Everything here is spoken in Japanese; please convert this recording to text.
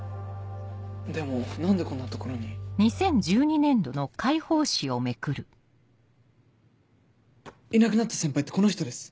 でも何でこんな所に？いなくなった先輩ってこの人です。